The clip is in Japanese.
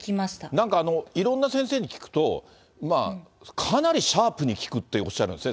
なんか、いろんな先生に聞くと、かなりシャープに効くっておっしゃるんですね。